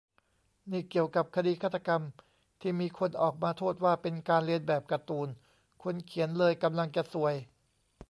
นี่เกี่ยวกับคดีฆาตกรรม ที่มีคนออกมาโทษว่า เป็นการเลียนแบบการ์ตูน คนเขียนเลยกำลังจะซวย